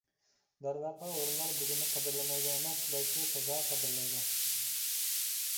دەرۋەقە ھۇرۇنلار بۈگۈننى قەدىرلىمەيدۇ ئەمەس، بەلكى تازا قەدىرلەيدۇ.